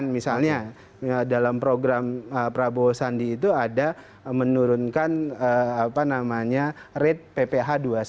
misalnya dalam program prabowo sandi itu ada menurunkan rate pph dua ratus dua